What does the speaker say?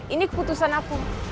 ini keputusan aku